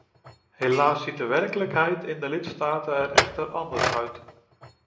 Helaas ziet de werkelijkheid in de lidstaten er echter anders uit.